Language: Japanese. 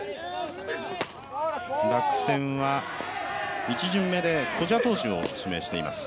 楽天は１巡目で古謝投手を指名しています。